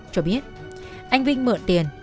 cho biết anh vinh mượn tiền